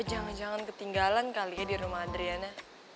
jangan jangan ketinggalan kali ya di rumah adriana